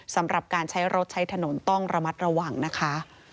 สำหรับการใช้รถใช้ถนนต้องระมัดระวังนะคะ